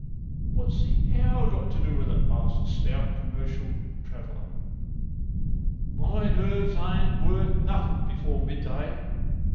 "What's the hour got to do with it?" asked a stout commercial traveller. "My nerves are worth nothin' before midday.